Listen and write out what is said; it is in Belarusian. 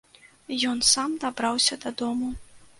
Ён сам дабраўся дадому.